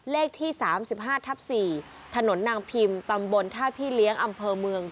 เลขที่๓๕ทับ๔ถนนนางพิมพ์ตำบลท่าพี่เลี้ยงอำเภอเมือง